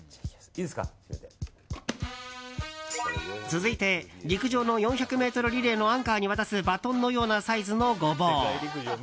続いて、陸上の４００ｍリレーのアンカーに渡すバトンのようなサイズのゴボウ。